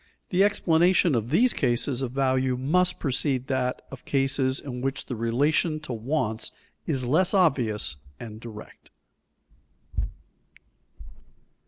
The explanation of these cases of value must precede that of cases in which the relation to wants is less obvious and direct.